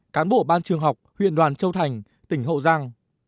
cán bộ ban trường học huyện đoàn châu thành tỉnh hậu giang